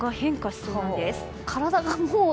そうなんです。